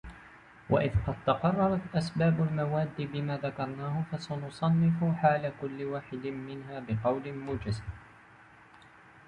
وَإِذْ قَدْ تَقَرَّرَتْ أَسْبَابُ الْمَوَادِّ بِمَا ذَكَرْنَاهُ فَسَنَصِفُ حَالَ كُلِّ وَاحِدٍ مِنْهَا بِقَوْلٍ مُوجَزٍ